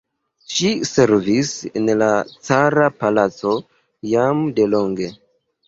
Ŝi servis en la cara palaco jam de longe.